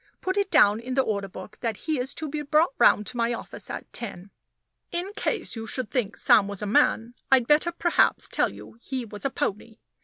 Put it down in the order book that he's to be brought round to my office at ten." In case you should think Sam was a man, I'd better perhaps tell you he was a pony.